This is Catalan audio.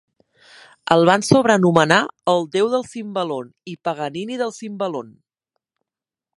El van sobrenomenar "el déu del Cimbalón" i "Paganini del Cimbalón".